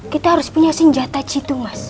kita harus punya senjata situ mas